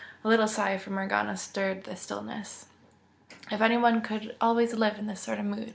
A little sigh from Morgana stirred the stillness. "If one could always live in this sort of mood!"